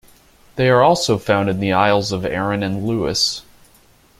They are also found in the Isles of Arran and Lewis.